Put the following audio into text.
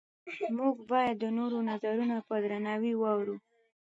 موږ باید د نورو نظرونه په درناوي واورو